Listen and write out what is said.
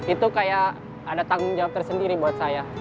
itu kayak ada tanggung jawab tersendiri buat saya